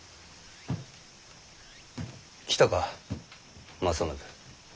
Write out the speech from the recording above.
来たか正信。